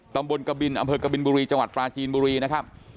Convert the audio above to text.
ตำบลกบินอำเภอกบินบุรีจังหวัดปลาจีนบุรีนะครับ